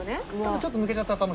ちょっと抜けちゃったかも。